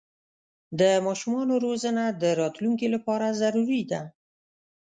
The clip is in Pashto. د ماشومانو روزنه د راتلونکي لپاره ضروري ده.